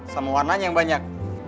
sama warnanya yang banyak